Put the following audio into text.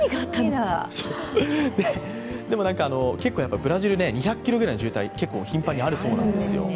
でもブラジル、２００ｋｍくらいの渋滞、頻繁にあるそうなんですよ。